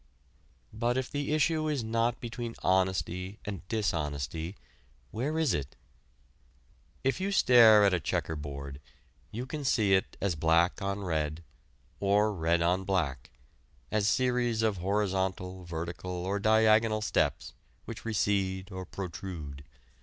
But if the issue is not between honesty and dishonesty, where is it? If you stare at a checkerboard you can see it as black on red, or red on black, as series of horizontal, vertical or diagonal steps which recede or protrude.